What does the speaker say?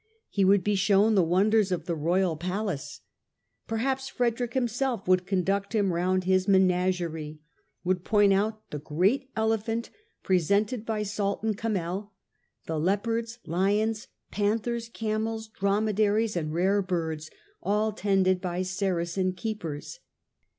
He would be shown the wonders of the royal palace. Perhaps Frederick himself would conduct him round his menagerie, would point out the great elephant presented by Sultan Kamel, the leopards, lions, panthers, camels, dromedaries and rare birds, all tended by Saracen keepers.